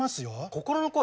心の声？